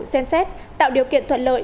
xem xét tạo điều kiện thuận lợi